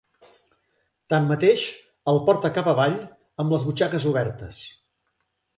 Tanmateix, el porta cap avall amb les butxaques obertes.